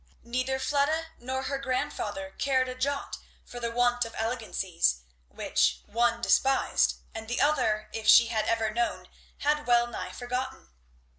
Neither Fleda nor her grandfather cared a jot for the want of elegancies which one despised, and the other if she had ever known had well nigh forgotten.